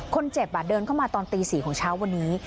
คนเจ็บเดินเข้ามาตอนตี๔ของเช้าวันนี้